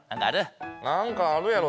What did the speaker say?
「なんかあるやろ」